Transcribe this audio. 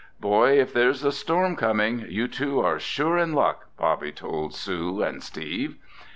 "Boy, if there's a storm coming, you two are sure in luck!" Bobby told Sue and Steve.